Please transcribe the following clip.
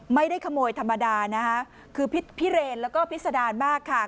ไม่ได้ขโมยธรรมดานะคะคือพิเรนแล้วก็พิษดารมากค่ะ